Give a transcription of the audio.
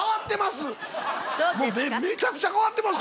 めちゃくちゃ変わってます！